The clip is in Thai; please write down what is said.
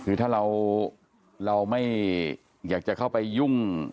คือถ้าเราไม่อยากจะเข้าไปยุ่ง